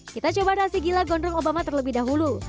kita coba nasi gila gondrong obama terlebih dahulu